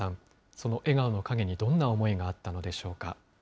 その笑顔の陰にどんな思いがあったのでしょうか。